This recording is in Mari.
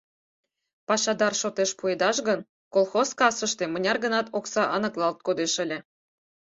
Пашадар шотеш пуэдаш гын, колхоз кассыште мыняр-гынат окса аныклалт кодеш ыле.